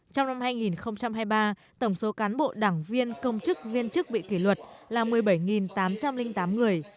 trong năm hai nghìn hai mươi ba tổng số cán bộ đảng viên công chức viên chức bị kỷ luật là một mươi bảy tám trăm linh tám người